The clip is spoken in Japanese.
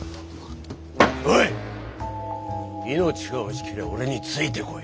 おい命が惜しけりゃ俺についてこい！